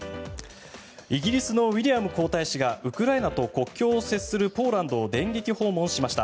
イギリスのウィリアム皇太子がウクライナと国境を接するポーランドを電撃訪問しました。